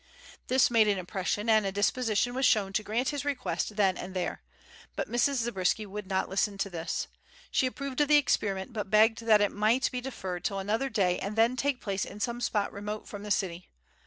This made an impression; and a disposition was shown to grant his request then and there. But Mrs. Zabriskie would not listen to this. She approved of the experiment but begged that it might be deferred till another day and then take place in some spot remote from the city.